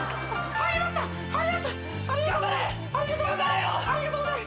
ありがとうございます！